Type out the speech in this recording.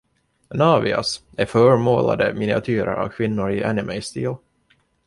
”Navias” är förmålade miniatyrer av kvinnor i anime-stil.